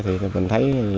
thì mình thấy